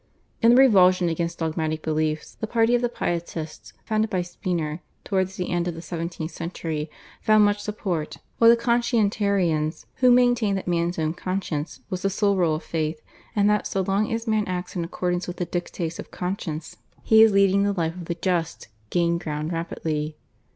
In the revulsion against dogmatic beliefs the party of the Pietists founded by Spener towards the end of the seventeenth century found much support, while the Conscientiarians, who maintained that man's own conscience was the sole rule of faith, and that so long as man acts in accordance with the dictates of conscience he is leading the life of the just, gained ground rapidly.